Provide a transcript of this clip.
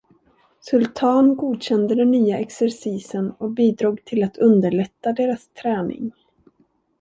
Sultan godkände den nya exercisen och bidrog till att underlätta deras träning.